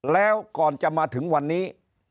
แล้วก่อนจะมาถึงวันนี้